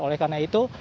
oleh karena itu